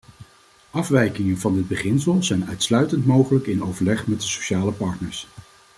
Afwijkingen van dit beginsel zijn uitsluitend mogelijk in overleg met de sociale partners.